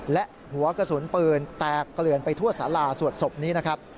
และหัวกระสุนปืนแตกเกลื่อนไปทั่วสาราสวดศพนี้นะครับ